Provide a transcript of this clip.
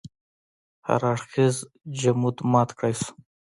هر اړخیز جمود مات کړای شو.